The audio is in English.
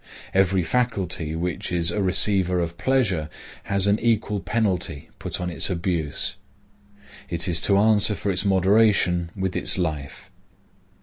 Every faculty which is a receiver of pleasure has an equal penalty put on its abuse. It is to answer for its moderation with its life.